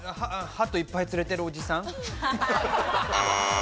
ハトいっぱいつれてる、おじさん。